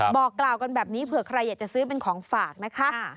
บอกกล่าวกันแบบนี้เผื่อใครอยากจะซื้อเป็นของฝากนะคะ